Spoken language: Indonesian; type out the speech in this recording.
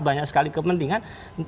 banyak sekali kepentingan